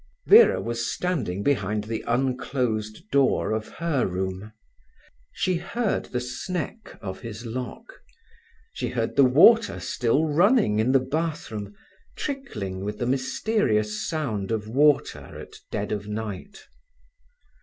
Vera was standing behind the unclosed door of her room. She heard the sneck of his lock. She heard the water still running in the bathroom, trickling with the mysterious sound of water at dead of night.